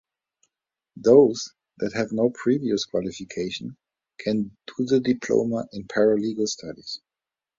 Those that have no previous qualification can do the Diploma in Paralegal Studies.